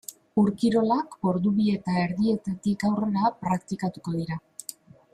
Ur-kirolak ordu bi eta erdietatik aurrera praktikatuko dira.